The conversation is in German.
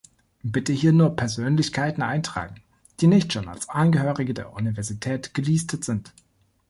Bitte hier nur Persönlichkeiten eintragen, die nicht schon als Angehörige der Universität gelistet sind.